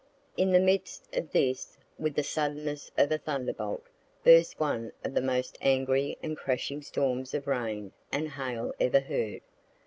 In the midst of this, with the suddenness of a thunderbolt, burst one of the most angry and crashing storms of rain and hail ever heard.